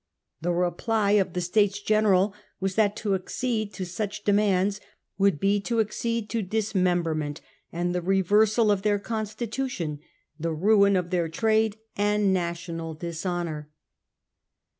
The reply of the States General was that to accede to such demands would be to accede to dis memberment, the reversal of their constitution, the ruin of their trade, and national dishonour.